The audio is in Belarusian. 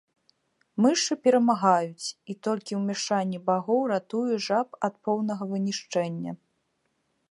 Мышы перамагаюць, і толькі умяшанне багоў ратуе жаб ад поўнага вынішчэння.